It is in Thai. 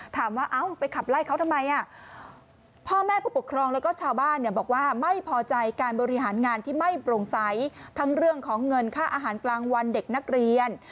ถามว่าอ้าวไปขับไล่เขาทำไม